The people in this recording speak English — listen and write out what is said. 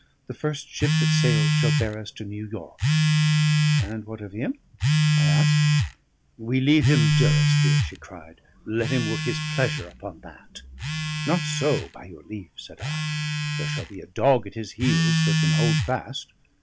The first ship that sails shall bear us to New York." "And what of him?" I asked. "We leave him Durrisdeer," she cried. "Let him work his pleasure upon that." "Not so, by your leave," said I. "There shall be a dog at his heels that can hold fast.